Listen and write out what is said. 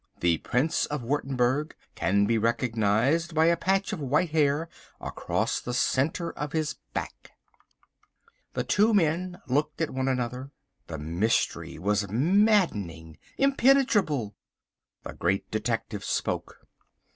"The Prince of Wurttemberg can be recognised by a patch of white hair across the centre of his back." The two men looked at one another. The mystery was maddening, impenetrable. The Great Detective spoke.